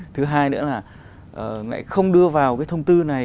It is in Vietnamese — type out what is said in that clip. thứ hai nữa là lại không đưa vào cái thông tư này